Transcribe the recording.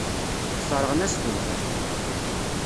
Sseṛɣen-as-tent.